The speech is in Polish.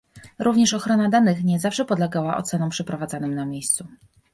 Również ochrona danych nie zawsze podlegała ocenom przeprowadzanym na miejscu"